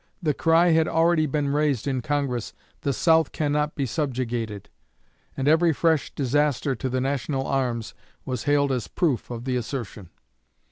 The cry had already been raised in Congress, "The South cannot be subjugated"; and every fresh disaster to the national arms was hailed as proof of the assertion.